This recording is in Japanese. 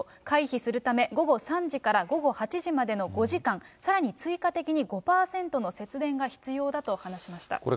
回避するため、午後３時から午後８時までの５時間、さらに追加的に５％の節電が必要だと話しました。